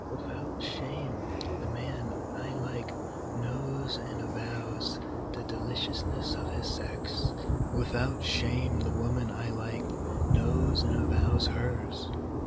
Without shame the man I like knows and avows the deliciousness of his sex, Without shame the woman I like knows and avows hers.